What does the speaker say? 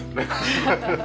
ハハハハッ。